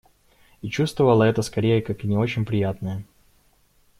И чувствовала это скорее как не очень приятное.